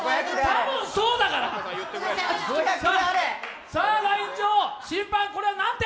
たぶんそうだから、さあライン上、審判これは何点？